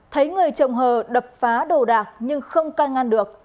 thấy người trồng hờ đập phá đồ đạc nhưng không can ngăn được